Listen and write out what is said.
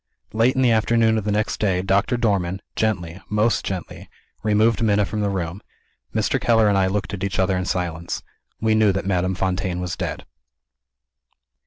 Late in the afternoon of the next day, Doctor Dormann, gently, most gently, removed Minna from the room. Mr. Keller and I looked at each other in silence. We knew that Madame Fontaine was dead.